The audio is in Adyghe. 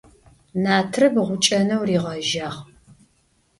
Натрыб гъукӀэнэу ригъэжьагъ.